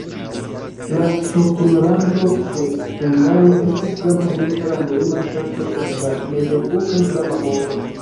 La Sultanlando de Bengalo estis grava orienta landlima ŝtato en la mezepoka Islama mondo.